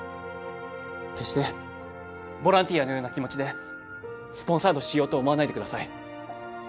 決してボランティアのような気持ちでスポンサードしようと思わないでください